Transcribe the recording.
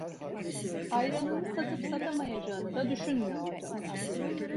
Ayranını satıp satamayacağını da düşünmüyordu.